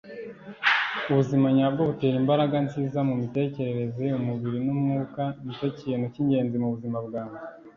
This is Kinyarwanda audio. ubuzima nyabwo butera imbaraga nziza mumitekerereze, umubiri numwuka; ni cyo kintu cy'ingenzi mu buzima bwanjye